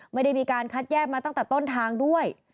ไม่ได้มีการคัดแยกมาตั้งแต่ต้นทางด้วย